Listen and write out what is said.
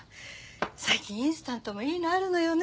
最近インスタントもいいのあるのよね。